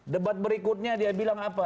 debat berikutnya dia bilang apa